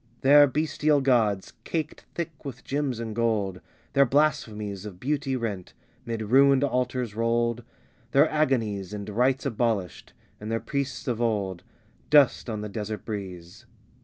Their bestial gods, caked thick with gems and gold, Their blasphemies Of beauty, rent; 'mid ruined altars rolled; Their agonies And rites abolished; and their priests of old Dust on the desert breeze.